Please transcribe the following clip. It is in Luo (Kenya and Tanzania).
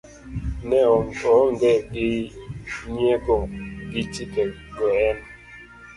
ne oonge gi nyiego gi chike go en